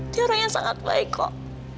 dia orang yang sangat baik kok